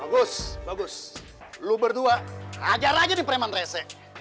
bagus bagus lu berdua ajar aja nih preman rese